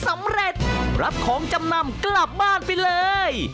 สำเร็จรับของจำนำกลับบ้านไปเลย